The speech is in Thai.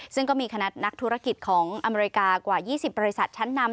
ซึ่งก็มีคณะนักธุรกิจของอเมริกากว่า๒๐บริษัทชั้นนำ